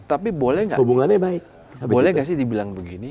tapi boleh gak sih dibilang begini